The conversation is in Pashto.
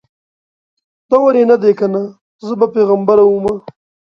دور یې نه دی کنه زه به پیغمبره ومه